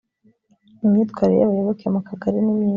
imyitwarire y abayoboke mu kagari nimyiza